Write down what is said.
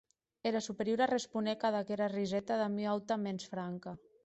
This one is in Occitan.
Era Superiora responec ad aquera riseta damb ua auta mens franca.